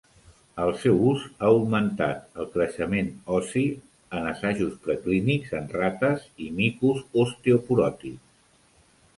El seu ús ha augmentat el creixement ossi en assajos preclínics en rates i micos osteoporòtics.